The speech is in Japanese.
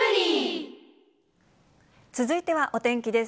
続いてはお天気です。